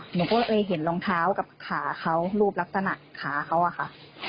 หนูก็เลยเห็นรองเท้ากับขาเขารูปลักษณะขาเขาอะค่ะ